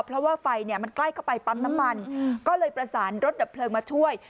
เพราะว่าไฟเนี่ยมันใกล้เข้าไปปั๊มน้ำมันก็เลยประสานรถดับเพลิงมาช่วย